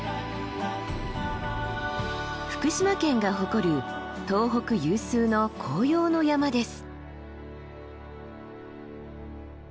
福島県が誇る東北有数の紅葉の山です。